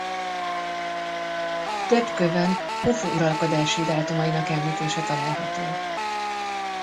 Több kövön Hufu uralkodási dátumainak említése található.